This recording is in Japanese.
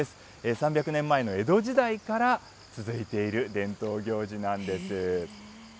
３００年前の江戸時代から続いている伝統行事なんです。